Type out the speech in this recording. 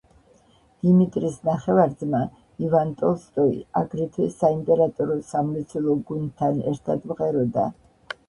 დიმიტრის ნახევარძმა, ივან ტოლსტოი აგრეთვე საიმპერატორო სამლოცველო გუნდთან ერთად მღეროდა.